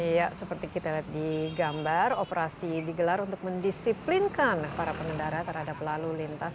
ya seperti kita lihat di gambar operasi digelar untuk mendisiplinkan para pengendara terhadap lalu lintas